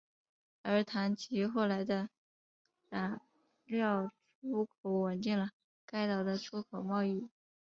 而糖及后来的染料出口稳定了该岛的出口贸易。